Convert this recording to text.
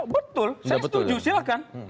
betul saya setuju silahkan